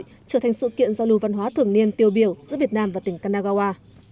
trở thành sự kiện giao lưu văn hóa thường niên tiêu biểu giữa việt nam và tỉnh kanagawa